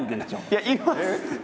いやいますって！